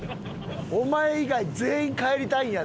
お前以外全員帰りたいんやで。